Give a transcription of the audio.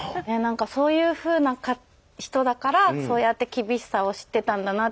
何かそういうふうな人だからそうやって厳しさを知ってたんだなって。